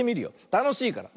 たのしいから。